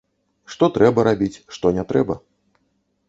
Што трэба рабіць, што не трэба.